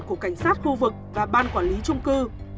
của cảnh sát khu vực và ban quản lý trung cư